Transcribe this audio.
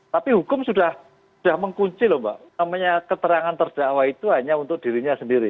tapi hukum sudah mengkunci loh mbak namanya keterangan terdakwa itu hanya untuk dirinya sendiri